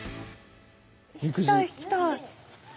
引きたい引きたい。